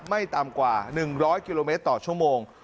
ไม่ต่ำกว่า๑๐๐กิโลเมตรต่อชั่วโมง